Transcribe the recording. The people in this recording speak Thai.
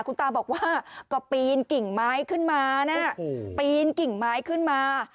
คุณตาบอกว่าก็ปีนกิ่งไม้ขึ้นมานะปีนกิ่งไม้ขึ้นมา